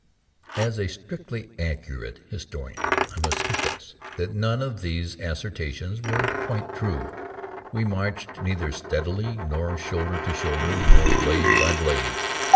As a strictly accurate historian I must confess that none of these assertions were quite true. We marched neither steadily, nor shoulder to shoulder, nor blade by blade.